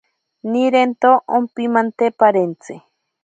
Nirento ompimante parentzi.